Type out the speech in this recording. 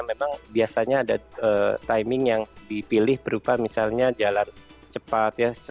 memang biasanya ada timing yang dipilih berupa misalnya jalan cepat